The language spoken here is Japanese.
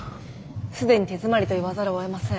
既に手詰まりと言わざるをえません。